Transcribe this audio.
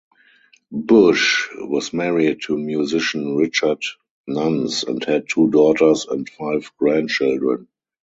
Bush was married to musician Richard Nunns and had two daughters and five grandchildren.